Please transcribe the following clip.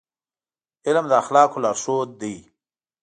علم د اخلاقو لارښود دی.